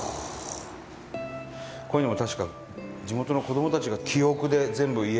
こういうのも、確か地元の子どもたちが記憶で全部、家。